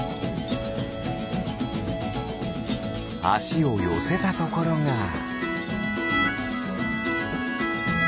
あしをよせたところが。